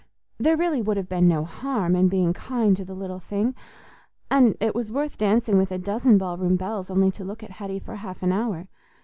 There really would have been no harm in being kind to the little thing, and it was worth dancing with a dozen ballroom belles only to look at Hetty for half an hour.